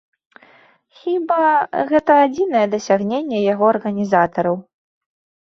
Хіба, гэта адзінае дасягненне яго арганізатараў.